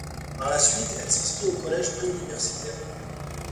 Par la suite, elle s'inscrit au collège pré-universitaire.